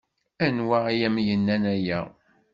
Anwa ay am-yennan aya?